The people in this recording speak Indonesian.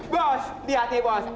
bos di hati bos